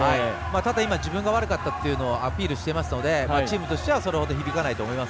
ただ、今自分が悪かったっていうのをアピールしていますのでチームとしては響かないと思います。